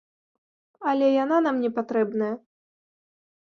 Але яна нам не патрэбная.